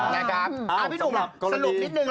พี่หนุ่มหรอสรุปนิดนึงละล่ะ